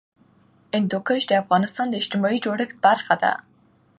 هندوکش د افغانستان د اجتماعي جوړښت برخه ده.